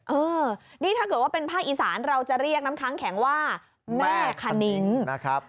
เออนี่ถ้าเกิดว่าเป็นภาคอีสานเราจะเรียกน้ำค้างแข็งว่าแม่คณิ้งนะครับ